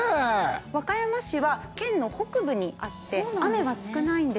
和歌山市は県の北部にあって雨は少ないんです。